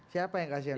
siapa yang kasihan